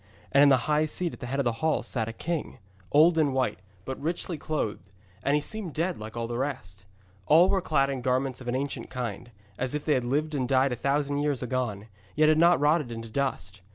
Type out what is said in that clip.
And in the high seat at the head of the hall sat a king, old and white, but richly clothed, and he seemed dead like all the rest. All were clad in garments of an ancient kind, as if they had lived and died a thousand years agone, yet had not rotted into dust.